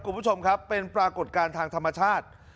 คุณผู้ชมครับเป็นปรากฏการณ์ทางธรรมชาติ